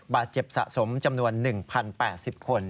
บาดเจ็บสะสมจำนวน๑๐๘๐คน